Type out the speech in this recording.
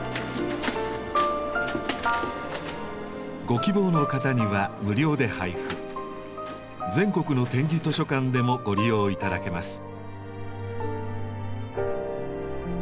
ご希望の方には無料で配布全国の点字図書館でもご利用頂けます。